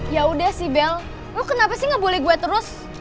yaudah sih bel lo kenapa sih ngebully gue terus